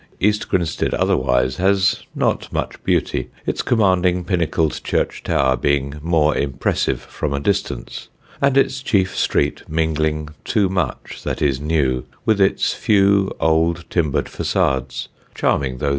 East Grinstead otherwise has not much beauty, its commanding pinnacled church tower being more impressive from a distance, and its chief street mingling too much that is new with its few old timbered façades, charming though these are.